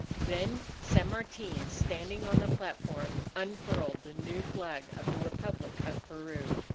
Then San Martin, standing on the platform, unfurled the new flag of the Republic of Peru.